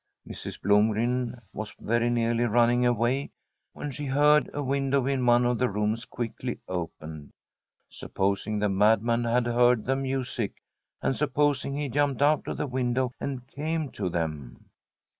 Mrs. Blomgren was very nearly running away when she heard a window in one of the rooms quickly opened. Supposing the madman had heard the music, and supposing he jumped out of the window and came to them